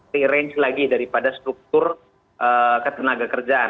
terange lagi daripada struktur ketenaga kerjaan